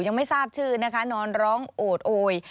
ยังไม่ทราบชื่อนะคะนอนร้องโอดโอย